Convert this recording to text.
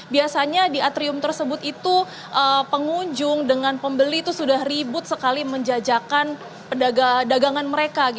biasanya di atrium tersebut itu pengunjung dengan pembeli itu sudah ribut sekali menjajakan dagangan mereka